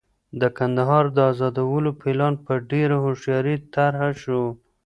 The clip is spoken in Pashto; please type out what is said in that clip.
د کندهار د ازادولو پلان په ډېره هوښیارۍ طرح شو.